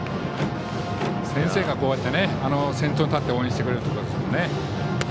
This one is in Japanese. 先生がこうやって先頭に立って応援してくれるということですもんね。